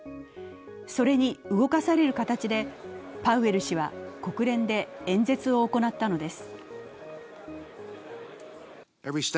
それに動かされる形でパウエル氏は国連で演説を行ったのです。